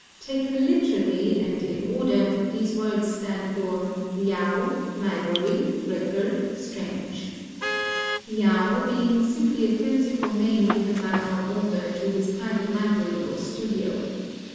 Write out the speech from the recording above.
Taken literally and in order, these words stand for "Liao library record strange," "Liao" being simply a fanciful name given by our author to his private library or studio.